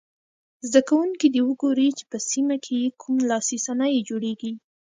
زده کوونکي دې وګوري چې په سیمه کې یې کوم لاسي صنایع جوړیږي.